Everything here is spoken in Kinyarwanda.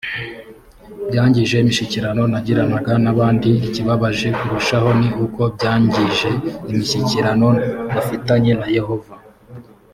byangije imishyikirano nagiranaga n abandi ikibabaje kurushaho ni uko byangije imishyikirano bafitanye na yehova